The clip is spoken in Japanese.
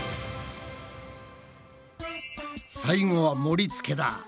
最後は盛りつけだ。